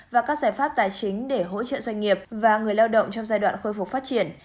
và các giải pháp tài chính để hỗ trợ doanh nghiệp và người lao động trong giai đoạn khôi phục phát triển